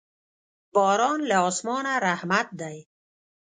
باران له اسمانه رحمت دی.